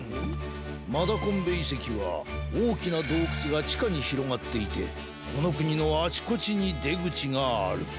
マダコンベいせきはおおきなどうくつがちかにひろがっていてこのくにのあちこちにでぐちがある。